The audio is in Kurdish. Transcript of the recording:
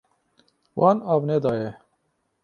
Wan av nedaye.